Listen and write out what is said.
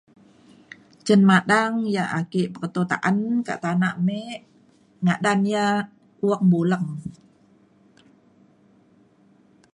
cen madang yak ake peketo ta’an kak tanak me ngadan ia’ wang buleng